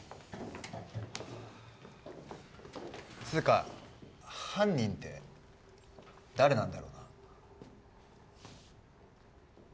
つーか犯人って誰なんだろうな？